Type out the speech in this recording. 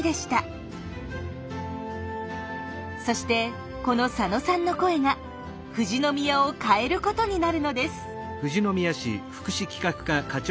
そしてこの佐野さんの声が富士宮を変えることになるのです。